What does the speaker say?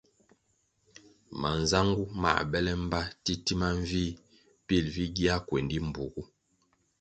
Manzangu mãh bele mbpa titima mvih pil vi gia kuendi mbpuogu.